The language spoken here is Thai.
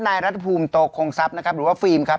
นายรัฐภูมิโตคงทรัพย์นะครับหรือว่าฟิล์มครับ